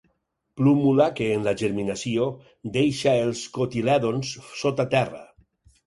Plúmula que, en la germinació, deixa els cotilèdons sota terra.